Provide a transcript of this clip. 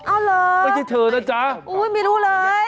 เอาเหรอไม่ใช่เธอนะจ๊ะอุ้ยไม่รู้เลย